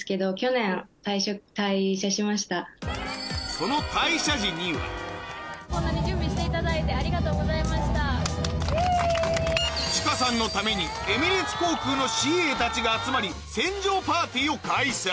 そのチカさんのためにエミレーツ航空の ＣＡ たちが集まり船上パーティーを開催